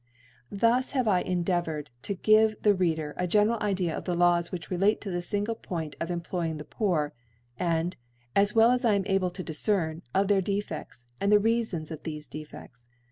Thus have I endeavoured to give the Jleader a general Idea of the Laws which relate to this fing!e Point of ^nhlploying the Poor i arid, as Well as I am able to difcern, of their Defeitj, ^rid tlie Reafons of thofc Dcfedls.